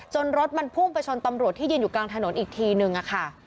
รถมันพุ่งไปชนตำรวจที่ยืนอยู่กลางถนนอีกทีนึงค่ะ